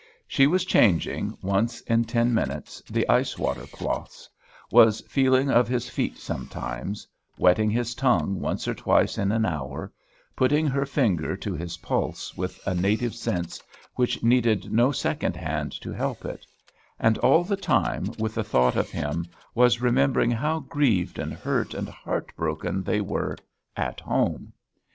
She was changing, once in ten minutes, the ice water cloths; was feeling of his feet sometimes; wetting his tongue once or twice in an hour; putting her finger to his pulse with a native sense, which needed no second hand to help it; and all the time, with the thought of him, was remembering how grieved and hurt and heart broken they were at home.